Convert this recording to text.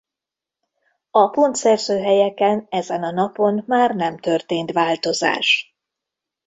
A pontszerző helyeken ezen a napon már nem történt változás.